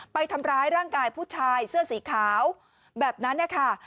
ไปทำร้ายร่างกายผู้ชายเสื้อสีขาวแบบนั้นนะคะ